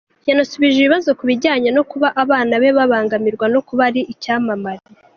Yanasubije ibibazo ku bijyanye no kuba abana be babangamirwa no kuba ari icyamamare.